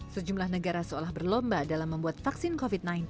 sejumlah negara seolah berlomba dalam membuat vaksin covid sembilan belas